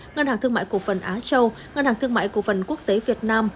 ngân hàng thương mại cổ phần á châu ngân hàng thương mại cổ phần quốc tế việt nam